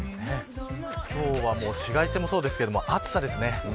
今日は、紫外線もそうですけど暑さですね。